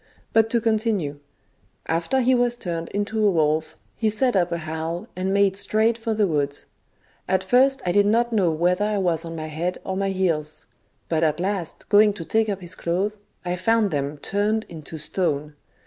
" But to continue : after he was turned into a wolf, he set up a howl and made straight for the woods. At first I did not know whetlfer I was on my head or my heels ; but at last going to take up his clothes, I found them turned into stone.